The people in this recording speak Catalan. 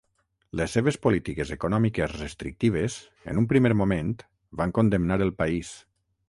Les seves polítiques econòmiques restrictives, en un primer moment, van condemnar el país.